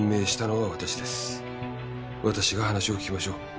私が話を聞きましょう。